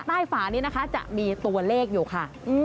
ฝานี้นะคะจะมีตัวเลขอยู่ค่ะ